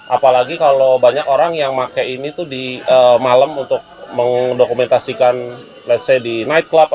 apalagi kalau banyak orang yang pakai ini tuh di malam untuk mendokumentasikan let s say di nightclub atau di tempat tempat lain